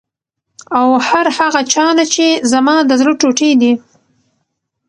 او هر هغه چا نه چې زما د زړه ټوټې دي،